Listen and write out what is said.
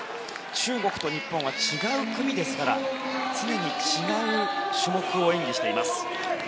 中国と日本は違う組ですから常に違う種目を演技しています。